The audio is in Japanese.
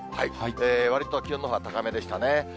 わりときょうは高めでしたね。